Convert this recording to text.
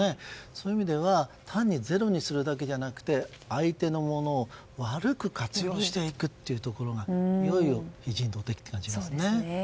そういう意味では単にゼロにするだけじゃなくて相手のものを悪く活用していくというところが非人道的と感じますね。